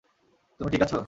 তুমি ঠিক আছো?